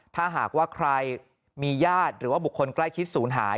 ถ้าหากว่าใครมีญาติหรือว่าบุคคลใกล้ชิดศูนย์หาย